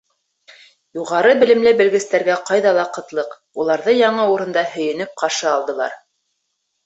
Юғары белемле белгестәргә ҡайҙа ла ҡытлыҡ, уларҙы яңы урында һөйөнөп ҡаршы алдылар.